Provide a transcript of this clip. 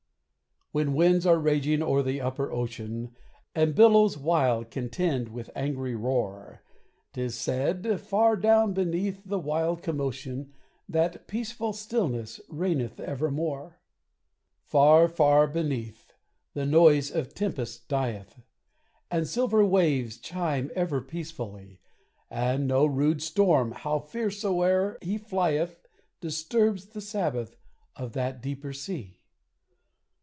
When winds are raging o'er the upper ocean, And billows wild contend with angry roar, 'Tis said, far down beneath the wild commotion, That peaceful stillness reigneth evermore. Far, far beneath, the noise of tempest dieth, And silver waves chime ever peacefully; And no rude storm, how fierce soe'er he flieth, Disturbs the sabbath of that deeper sea.